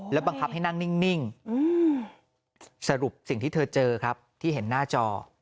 บังคับให้นั่งนิ่งสรุปสิ่งที่เธอเจอครับที่เห็นหน้าจอ